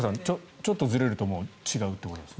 ちょっとずれるともう違うってことですね。